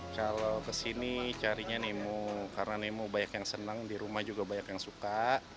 kalau kesini carinya nemo karena nemo banyak yang senang di rumah juga banyak yang suka